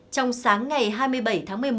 trong sáng ngày hai mươi bảy tháng một mươi một